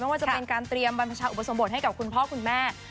ว่าจะเป็นการเตรียมบรรพชาอุปสมบทให้กับคุณพ่อคุณแม่